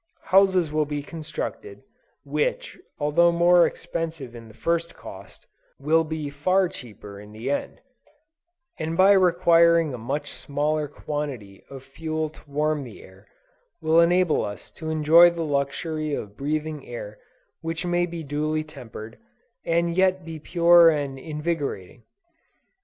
Houses will be constructed, which, although more expensive in the first cost, will be far cheaper in the end, and by requiring a much smaller quantity of fuel to warm the air, will enable us to enjoy the luxury of breathing air which may be duly tempered, and yet be pure and invigorating.